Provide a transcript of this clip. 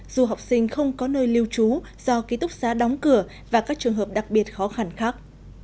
dù học sinh không có nơi lưu trú do ký túc xá đóng cửa và các trường hợp đặc biệt khó khăn khác